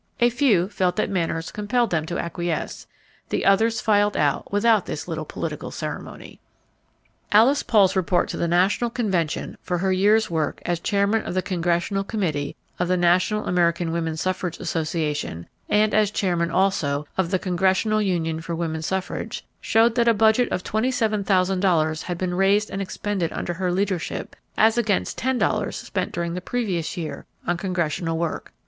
A few felt that manners compelled them to acquiesce; the others filed out without this little political ceremony. Alice Paul's report to the national convention for her year's work as Chairman of the Congressional Committee of the National American Woman Suffrage Association, and as Chairman also of the Congressional Union for Woman Suffrage, showed that a budget of twenty seven thousand dollars had been raised and expended under her leadership as against ten dollars spent during the previous year on Congressional work.